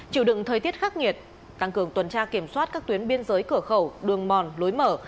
chịu đựng thời tiết khắc nghiệt tăng cường tuần tra kiểm soát các tuyến biên giới cửa khẩu đường mòn lối mở